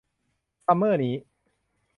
ซัมเมอร์นี้